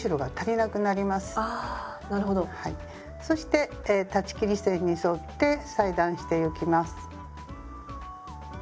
そして裁ち切り線に沿って裁断してゆきます。